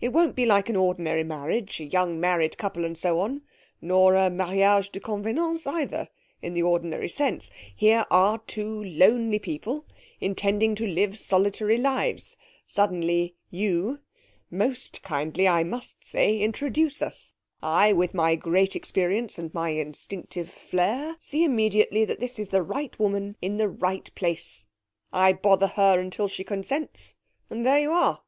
It won't be like an ordinary marriage, a young married couple and so on, nor a mariage de convenance, either, in the ordinary sense. Here are two lonely people intending to live solitary lives. Suddenly, you most kindly, I must say introduce us. I, with my great experience and my instinctive flair, see immediately that this is the right woman in the right place. I bother her until she consents and there you are.'